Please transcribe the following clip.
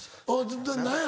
何や？